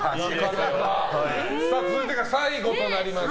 続いて、最後となります。